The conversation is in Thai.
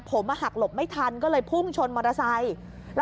ผมหักหลบไม่ทันก็เลยพุ่งชนมอเตอร์ไซค์